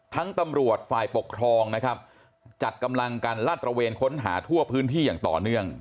ตำรวจฝ่ายปกครองนะครับจัดกำลังกันลาดตระเวนค้นหาทั่วพื้นที่อย่างต่อเนื่อง